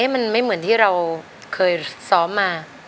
มันไม่เหมือนที่เราเคยซ้อมมา